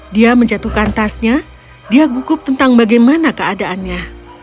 dia menjatuhkan tasnya dia gugup tentang bagaimana keadaannya